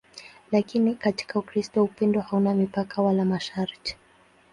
Lakini katika Ukristo upendo hauna mipaka wala masharti.